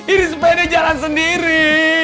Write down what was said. ini sepeda jalan sendiri